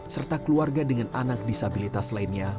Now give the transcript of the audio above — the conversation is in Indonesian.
serta keluarga dengan anak disabilitas lainnya